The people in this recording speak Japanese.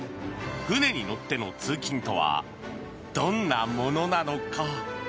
船に乗っての通勤とはどんなものなのか？